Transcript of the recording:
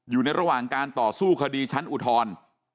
อยู่ในระหว่างการต่อสู้คดีชั้นอุทธรณ์